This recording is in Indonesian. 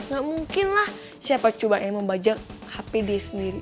gak mungkin lah siapa coba yang membajak hp dia sendiri